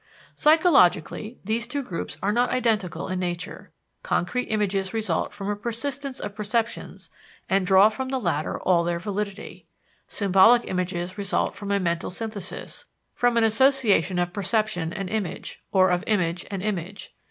Psychologically, these two groups are not identical in nature. Concrete images result from a persistence of perceptions and draw from the latter all their validity; symbolic images result from a mental synthesis, from an association of perception and image, or of image and image.